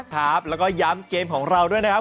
ครับแล้วก็ย้ำเกมของเราด้วยนะครับ